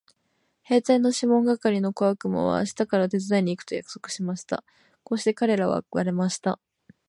兵隊のシモン係の小悪魔は明日から手伝いに行くと約束しました。こうして彼等は別れました。